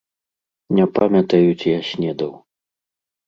Не памятаю, ці я снедаў.